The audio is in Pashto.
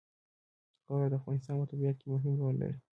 خاوره د افغانستان په طبیعت کې مهم رول لري.